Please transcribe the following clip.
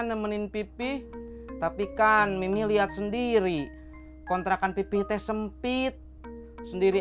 nemenin pipih tapi kan mimili at sendiri kontrakan ppt sempit sendiri